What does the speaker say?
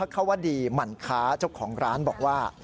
ควดีหมั่นค้าเจ้าของร้านบอกว่า